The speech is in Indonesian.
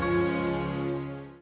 saya keluar dulu ya